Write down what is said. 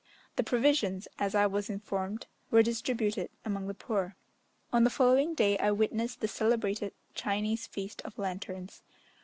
The provisions, as I was informed, were distributed among the poor. On the following day I witnessed the celebrated Chinese Feast of Lanterns.